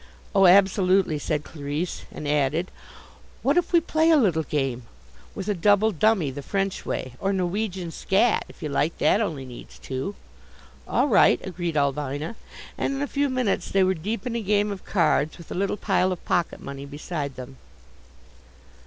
"Oh, absolutely," said Clarisse, and added, "What if we play a little game! With a double dummy, the French way, or Norwegian Skat, if you like. That only needs two." "All right," agreed Ulvina, and in a few minutes they were deep in a game of cards with a little pile of pocket money beside them.